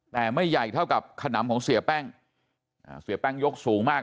แต่ไม่ใหญ่เท่ากับขนำของเสียแป้งเสียแป้งยกสูงมาก